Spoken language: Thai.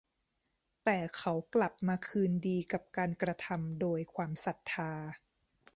แต่เขากลับมาคืนดีกับการกระทำโดยความศรัทธา